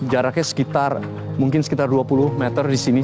jaraknya sekitar mungkin sekitar dua puluh meter di sini